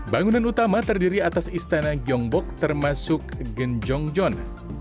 bangunan utama terdiri atas istana gyeongbokgung termasuk genjongjeon